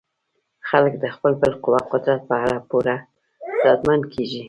خلک د خپل بالقوه قدرت په اړه پوره ډاډمن کیږي.